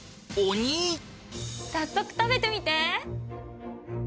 早速食べてみて！